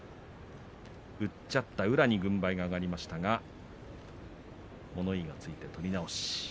うっちゃった宇良に軍配が上がりましたが物言いがついて取り直し。